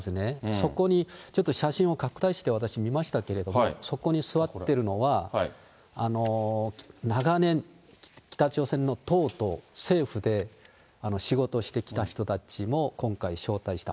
そこにちょっと写真を拡大して私、見ましたけれども、そこに座ってるのは、長年、北朝鮮の党と政府で仕事をしてきた人たちも今回招待した。